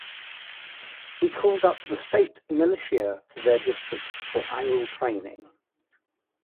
He called up the state militia to their districts for annual training.